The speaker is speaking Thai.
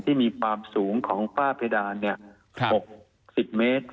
ที่มีความสูงของฝ้าเพดาน๖๐เมตร